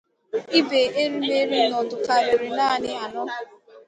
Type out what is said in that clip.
igbe erimeri noduul karịrị narị anọ